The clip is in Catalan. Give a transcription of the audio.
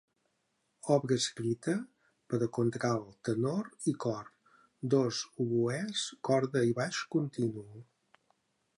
Obra escrita per a contralt, tenor i cor; dos oboès, corda i baix continu.